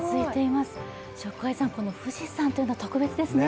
この富士山というのは特別ですね。